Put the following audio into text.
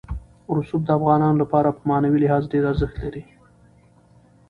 رسوب د افغانانو لپاره په معنوي لحاظ ډېر ارزښت لري.